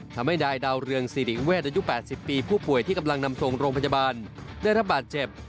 ทำให้นายดาวเรืองสิริเวชอายุ๘๐ปีผู้ป่วยที่กำลังนำส่งโรงพยาบาลได้รับบาดเจ็บ